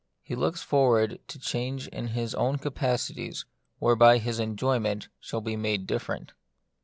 He looks for ward to a change in his own capacities where by his enjoyment shall be made different.